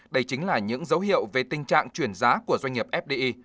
đây chính là những dấu hiệu về tình trạng chuyển giá của doanh nghiệp fdi